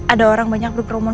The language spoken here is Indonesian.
ada orang banyak berkerumun